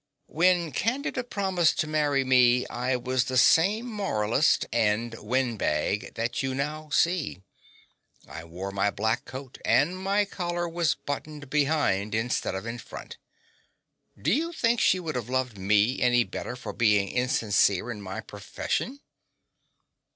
When Candida promised to marry me, I was the same moralist and windbag that you now see. I wore my black coat; and my collar was buttoned behind instead of in front. Do you think she would have loved me any the better for being insincere in my profession?